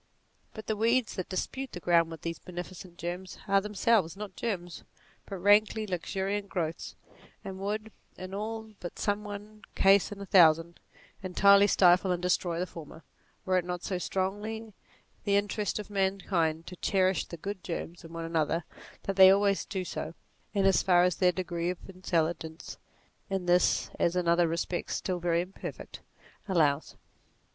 But the weeds that dispute the ground with these beneficent germs, are themselves not germs but rankly luxuriant growths, and would, in all but some one case in a thousand, entirely stifle and destroy the former, were it not so strongly the interest of man kind to cherish the good germs in one another, that they always do so, in as far as their degree of intelligence (in this as in other respects still very imperfect) allows.